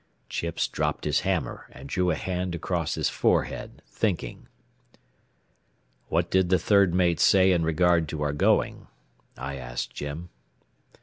Chips dropped his hammer and drew a hand across his forehead, thinking. "What did the third mate say in regard to our going?" I asked Jim.